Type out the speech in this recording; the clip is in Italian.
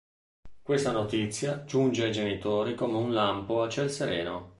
Questa notizia giunge ai genitori come un lampo a ciel sereno.